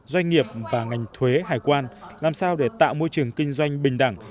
doanh nghiệp và ngành thuế hải quan làm sao để tạo môi trường kinh doanh bình đẳng